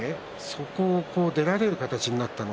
そこを出られる形になりました。